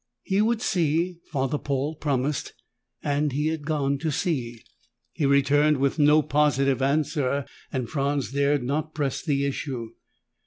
He would see, Father Paul promised, and he had gone to see. He returned with no positive answer and Franz dared not press the issue.